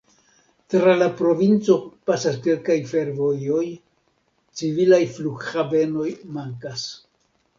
Tra la provinco pasas kelkaj fervojoj, civilaj flughavenoj mankas.